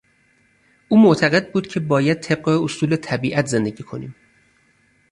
او معتقد بود که باید طبق اصول طبیعت زندگی کنیم.